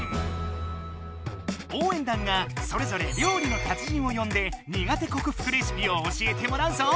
応援団がそれぞれ料理の達人を呼んで苦手こくふくレシピを教えてもらうぞ！